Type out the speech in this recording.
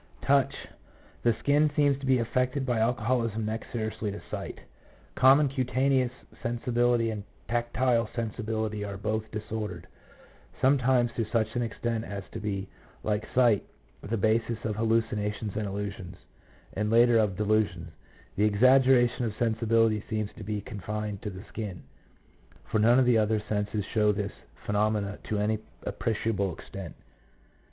Touch. — The skin seems to be affected by alcoholism next seriously to the sight. Common cutaneous sensi bility and tactile sensibility are both disordered, some times to such an extent as to be, like sight, the bases of hallucinations and illusions, and later of delusions. The exaggeration of sensibility seems to be confined to the skin, for none of the other senses show this phenomenon to any appreciable extent.